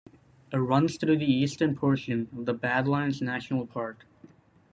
It runs through the eastern portion of the Badlands National Park.